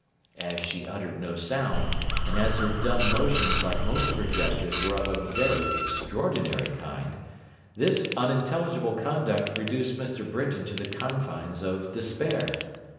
As she uttered no sound, and as her dumb motions like most of her gestures were of a very extraordinary kind, this unintelligible conduct reduced Mr. Britain to the confines of despair.